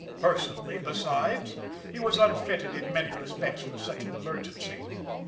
Personally, besides, he was unfitted in many respects for such an emergency.